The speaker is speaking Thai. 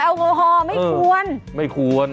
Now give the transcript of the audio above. อาร์โกฮอลไม่ควร